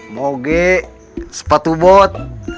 moge sepatu bot